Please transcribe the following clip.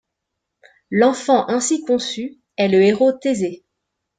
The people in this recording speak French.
L'enfant ainsi conçu est le héros Thésée.